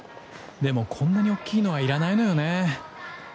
でもこんなにおっきいのはいらないのよねぇ。